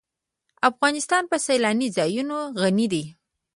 افغانستان په سیلانی ځایونه غني دی.